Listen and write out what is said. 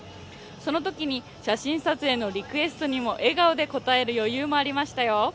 そのときに写真撮影のリクエストにも笑顔で応える余裕もありましたよ。